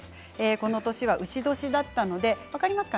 この年は、うし年だったので分かりますか？